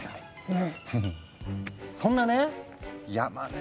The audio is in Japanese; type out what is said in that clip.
うん？